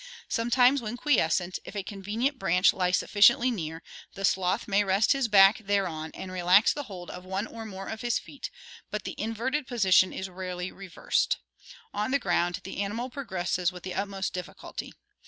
Sometimes when quiescent, if a convenient branch lie sufficiently near, the sloth may rest his back thereon and relax the hold of one or more of his feet, but the in verted position is rarely reversed. On the ground the animal progresses with the utmost difficulty.